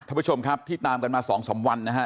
ท่านผู้ชมครับที่ตามกันมา๒๓วันนะฮะ